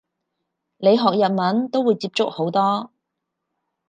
你學日文都會接觸好多